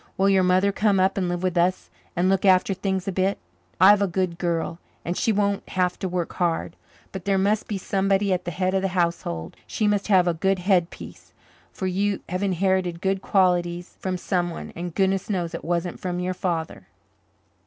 Will your mother come up and live with us and look after things a bit? I've a good girl, and she won't have to work hard, but there must be somebody at the head of a household. She must have a good headpiece for you have inherited good qualities from someone, and goodness knows it wasn't from your father."